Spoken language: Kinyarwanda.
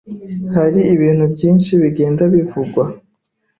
Hari ibintu byinshi bigenda bivugwa